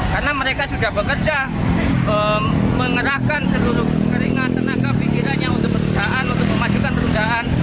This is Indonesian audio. karena mereka sudah bekerja mengerahkan seluruh keringan tenaga pikirannya untuk perusahaan untuk memajukan perusahaan